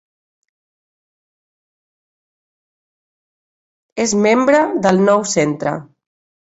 Es membre del Nou Centre.